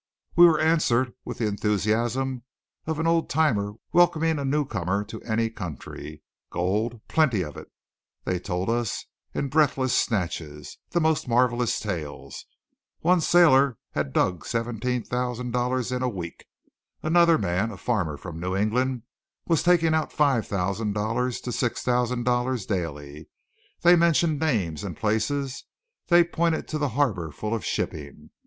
We were answered with the enthusiasm of an old timer welcoming a newcomer to any country. Gold! Plenty of it! They told us, in breathless snatches, the most marvellous tales one sailor had dug $17,000 in a week; another man, a farmer from New England, was taking out $5,000 to $6,000 daily. They mentioned names and places. They pointed to the harbour full of shipping.